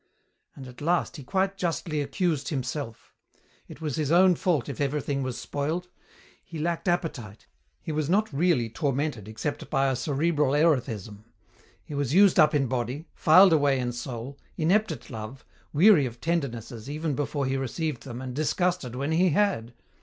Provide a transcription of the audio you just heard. And at last he quite justly accused himself. It was his own fault if everything was spoiled. He lacked appetite. He was not really tormented except by a cerebral erethism. He was used up in body, filed away in soul, inept at love, weary of tendernesses even before he received them and disgusted when he had.